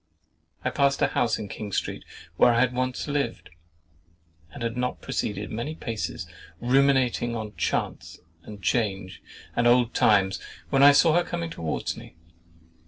I passed a house in King Street where I had once lived, and had not proceeded many paces, ruminating on chance and change and old times, when I saw her coming towards me.